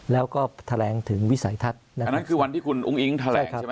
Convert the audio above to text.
แล้วก็แถลงถึงวิสัยทัศน์นะครับอันนั้นคือวันที่คุณอุ้งอิ๊งแถลงใช่ไหม